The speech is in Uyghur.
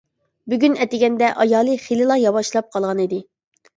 بۈگۈن ئەتىگەندە ئايالى خېلىلا ياۋاشلاپ قالغانىدى.